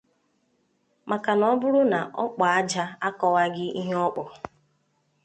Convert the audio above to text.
maka na ọ bụrụ na ọkpụ aja akọwaghị ihe ọ kpụrụ